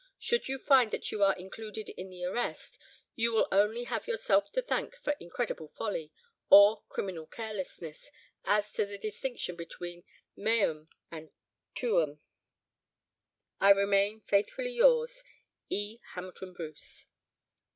Should you find that you are included in the arrest, you will only have yourself to thank for incredible folly, or criminal carelessness, as to the distinction between meum and tuum. "I remain, faithfully yours, "E. HAMILTON BRUCE."